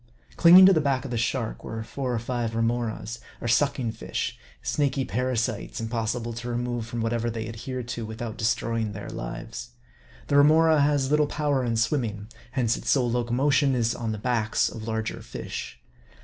Clinging to the back of the shark, were four or five Remoras, or sucking fish ; snaky parasites, impossible to remove from whatever they adhere to, without destroying their lives. The Hemora has little power in swimming ; hence its sole locomotion is on the backs of larger fish.